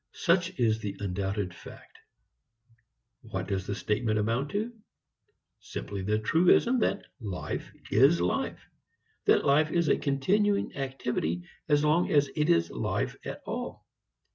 Such is the undoubted fact. What does the statement amount to? Simply the truism that life is life, that life is a continuing activity as long as it is life at all.